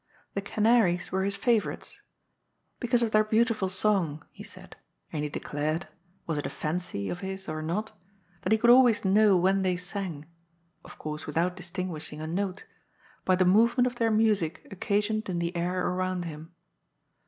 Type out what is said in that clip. The canaries were his &Yourite8, ^because of their beantifol song,'^ he said, and he declared — ^was it a fancy of his or not? — ^that he could always know when they sang— of course without distinguishing a note—by the moyement their music occasioned in the air around him.